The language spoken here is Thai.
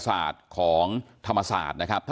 แล้วยักซิลิโคนใส่เข้าไปผลที่ได้ก็คือซิลิโคนเนี่ย